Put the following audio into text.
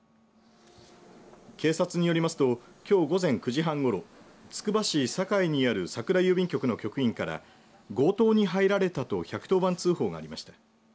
警察によりますときょう午前９時半ごろつくば市栄にある桜郵便局の局員から強盗に入られたと１１０番通報がありました。